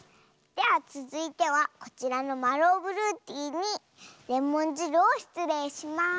ではつづいてはこちらのマローブルーティーにレモンじるをしつれいします。